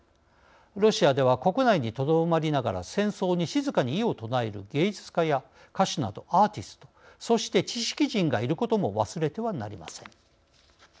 ロシアでは国内にとどまりながら戦争に静かに異を唱える芸術家や歌手などアーティストそして知識人がいることも忘れてはなりません。